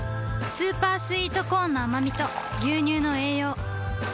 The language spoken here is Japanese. スーパースイートコーンのあまみと牛乳の栄養